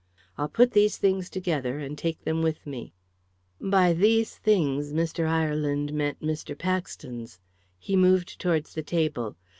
I'll put these things together and take them with me." By "these things" Mr. Ireland meant Mr. Paxton's. He moved towards the table.